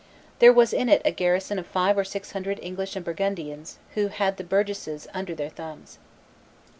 There was in it a garrison of five or six hundred English and Burgundians, who had the burgesses under their thumbs.